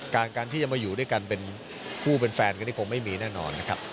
การที่จะมาอยู่ด้วยกันเป็นคู่เป็นแฟนกันนี่คงไม่มีแน่นอนนะครับ